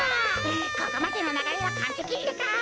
ここまでのながれはかんぺきってか！